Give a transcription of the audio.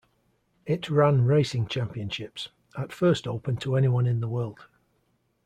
It ran racing championships, at first open to anyone in the world.